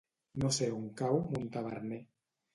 No sé on cau Montaverner.